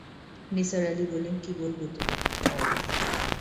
নিসার আলি বললেন, কী বলবে তুমি, বল।